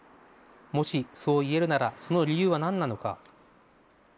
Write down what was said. もしそう言えるならその理由はなんなのか。